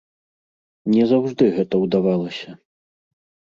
Не заўжды гэта ўдавалася.